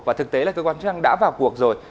và thực tế là cơ quan chức năng đã vào cuộc rồi